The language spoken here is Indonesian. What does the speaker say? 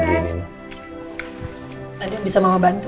ada yang bisa mama bantu